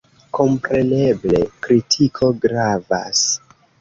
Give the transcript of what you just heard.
Kompreneble, kritiko gravas.